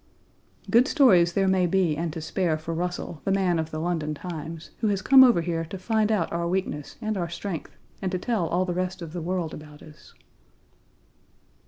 Good stories there may be and to spare for Russell, the man of the London Times, who has come over here to find out our weakness and our strength and to tell all the rest of the world about us.